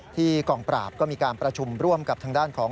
กองปราบก็มีการประชุมร่วมกับทางด้านของ